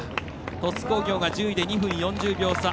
鳥栖工業１０位で２分４０秒差。